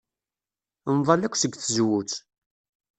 Nḍall akk seg tzewwut.